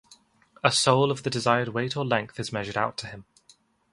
A soul of the desired weight or length is measured out to him.